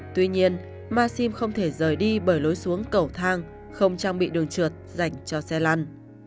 tuy nhiên maxim không thể rời đi bởi lối xuống cầu thang không trang bị đường trượt dành cho xe lăn